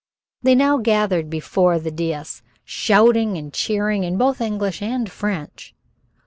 They now gathered before the dais, shouting and cheering in both English and French.